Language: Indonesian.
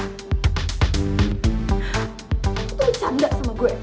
lo tuh bercanda sama gue